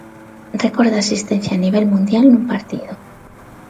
Récord de asistencia a nivel mundial nun partido.